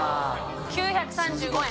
９３５円！